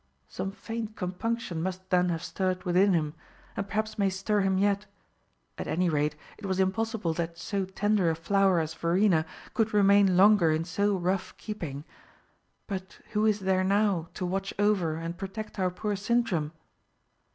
Some faint compunction must then have stirred within him, and perhaps may stir him yet. At any rate it was impossible that so tender a flower as Verena could remain longer in so rough keeping. But who is there now to watch over and protect our poor Sintram?"